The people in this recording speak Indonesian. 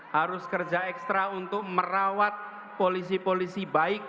harus kerja ekstra untuk merawat polisi polisi baik